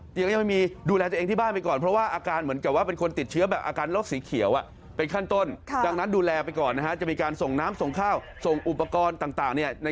ติดต่อย่าดมีเหรอไม่แน่ใจ